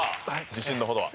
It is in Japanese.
自信のほどは？